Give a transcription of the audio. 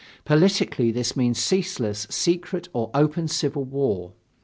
Politically this means ceaseless, secret or open civil war.